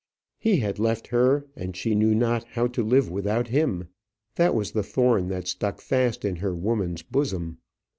He had left her, and she knew not how to live without him. That was the thorn that stuck fast in her woman's bosom.